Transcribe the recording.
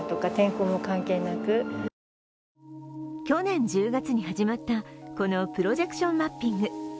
去年１０月に始まった、このプロジェクションマッピング。